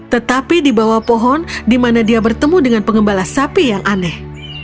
tetapi di bawah pohon di mana dia bertemu dengan pengembala sapi yang aneh